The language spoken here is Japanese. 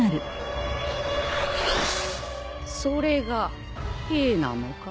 それが兵なのか？